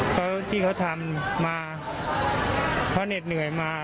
เขาที่เขาทำมาเขาเหน็ดเหนื่อยมา